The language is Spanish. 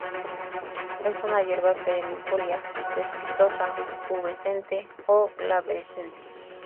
Es una hierba perennifolia, cespitosa, pubescente o glabrescente.